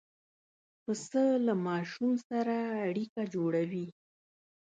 پسه له ماشوم سره اړیکه جوړوي.